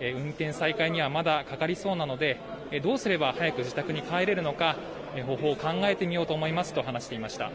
運転再開にはまだかかりそうなのでどうすれば早く自宅に帰れるのか方法を考えたいと思いますと話していました。